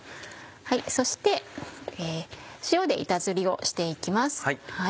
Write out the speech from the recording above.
そして塩で板ずりをして行きます。